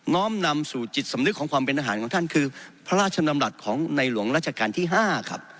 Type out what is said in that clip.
้อมนำสู่จิตสำนึกของความเป็นทหารของท่านคือพระราชดำรัฐของในหลวงราชการที่๕ครับ